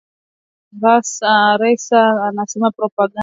Ressa anasema propaganda inakuwa na mchango